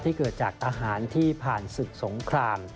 เกิดจากทหารที่ผ่านศึกสงคราม